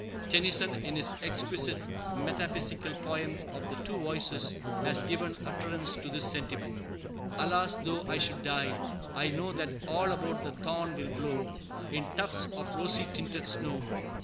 Tennyson, in his exquisite metaphysical poem of the Two Voices, has given utterance to this sentiment: "Alas! though I should die, I know That all about the thorn will blow In tufts of rosy tinted snow.